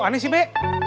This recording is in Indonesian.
kok aneh sih bek